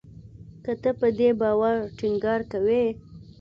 که ته په دې باور ټینګار کوې